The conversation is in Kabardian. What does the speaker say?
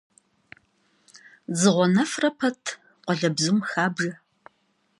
Dzığuenefre pet khualebzum xabjje.